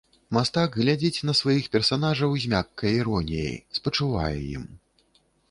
Мастак глядзіць на сваіх персанажаў з мяккай іроніяй, спачувае ім.